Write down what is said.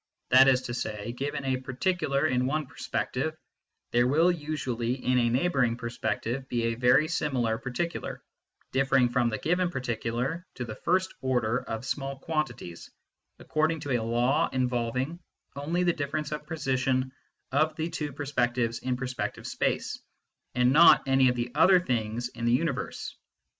That is to say, given a particular in one perspective, there will usually in a neighbouring perspective be a very similar particular, differing from the given particular, to the first order of small quantities, according to a law involving only the difference of position of the two perspectives in perspective space, and not any of the other " things " in the universe.